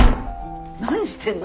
何してんの？